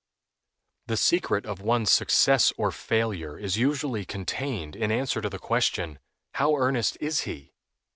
The secret of one's success or failure is usually contained in answer to the question, "How earnest is he?"